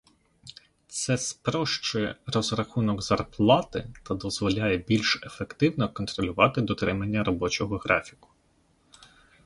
Це спрощує розрахунок зарплати та дозволяє більш ефективно контролювати дотримання робочого графіку.